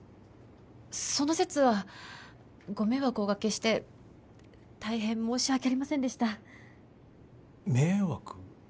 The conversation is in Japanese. その節はご迷惑をおかけして大変申し訳ありませんでした迷惑？